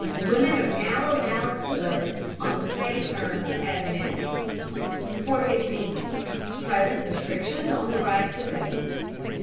Women are now allowed the vote on the same terms as men. 415. PRESENT RESTRICTIONS ON THE RIGHT TO VOTE.